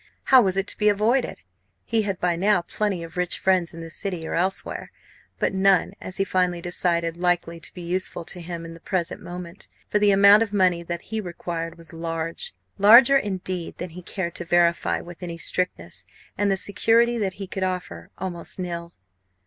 How was it to be avoided? He had by now plenty of rich friends in the City or elsewhere, but none, as he finally decided, likely to be useful to him at the present moment. For the amount of money that he required was large larger, indeed, than he cared to verify with any strictness, and the security that he could offer, almost nil.